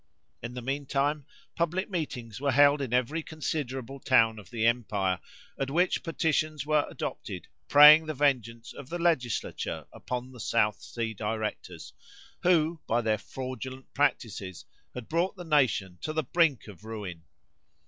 In the mean time, public meetings were held in every considerable town of the empire, at which petitions were adopted, praying the vengeance of the legislature upon the South Sea directors, who, by their fraudulent practices, had brought the nation to the brink of ruin.